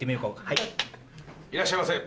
いらっしゃいませ！